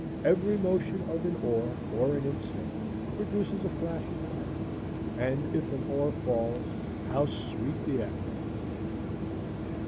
Every motion of an oar or an insect produces a flash of light; and if an oar falls, how sweet the echo!